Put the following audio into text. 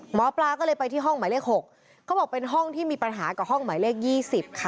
หมอปลาก็เลยไปที่ห้องหมายเลข๖เขาบอกเป็นห้องที่มีปัญหากับห้องหมายเลข๒๐ค่ะ